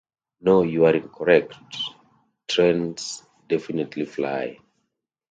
No, you are incorrect; Trains definitely fly.